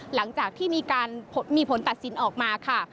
หลังจากที่มีการมีผลตัดสินออกมาค่ะ